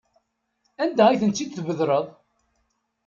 Anda ay ten-id-tbedreḍ?